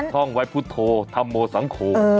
ท่องไว้พุทธโธธรรมโมสังคม